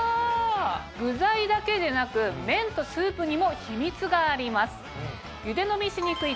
具材だけでなく麺とスープにも秘密があります。